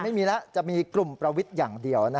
ไม่มีแล้วจะมีกลุ่มประวิทย์อย่างเดียว